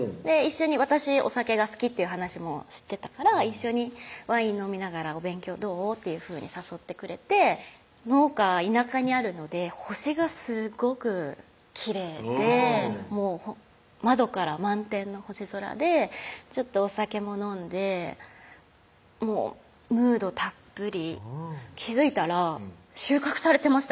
私お酒が好きっていう話も知ってたから「一緒にワイン飲みながらお勉強どう？」っていうふうに誘ってくれて農家田舎にあるので星がすごくきれいで窓から満天の星空でちょっとお酒も飲んでもうムードたっぷり気付いたら収穫されてました